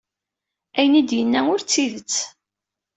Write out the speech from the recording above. Ayen ay d-yenna ur d tidet.